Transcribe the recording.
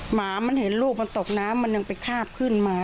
หมามันเห็นลูกมันตกน้ำมันยังไปคาบขึ้นมา